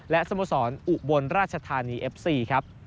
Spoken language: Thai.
และสโมสรอุบลราชธานีเอฟซีครับ